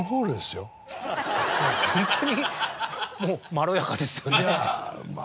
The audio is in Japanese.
ホントにもうまろやかですよね。